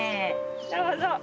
どうぞ。